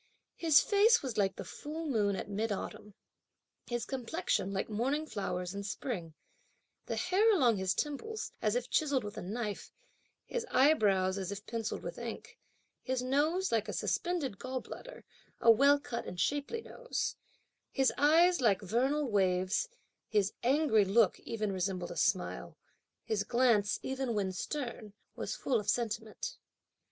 His face was like the full moon at mid autumn; his complexion, like morning flowers in spring; the hair along his temples, as if chiselled with a knife; his eyebrows, as if pencilled with ink; his nose like a suspended gallbladder (a well cut and shapely nose); his eyes like vernal waves; his angry look even resembled a smile; his glance, even when stern, was full of sentiment.